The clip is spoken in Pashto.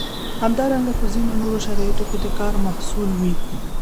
همدارنګه په ځینو نورو شرایطو کې د کار محصول وي.